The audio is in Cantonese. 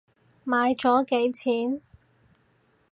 買咗幾錢？